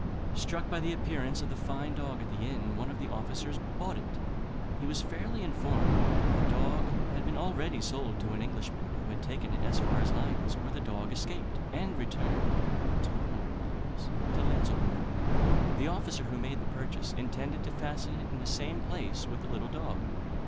Struck by the appearance of the fine dog at the inn, one of the officers bought it. He was fairly informed that the dog had been already sold to an Englishman, who had taken it as far as Lyons, where the dog escaped, and returned (two hundred miles) to Lanslebourg. The officer who made the purchase intended to fasten it in the same place with the little dog.